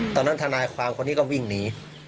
ตอนนั้นธนายความคนที่ก็วิ่งหนี